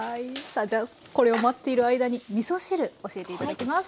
さあじゃあこれを待っている間にみそ汁教えて頂きます。